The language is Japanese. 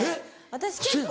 私結構。